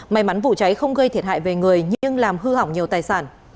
may mắn vụ cháy không gây thiệt hại về người nhưng làm hư hỏng nhiều tài sản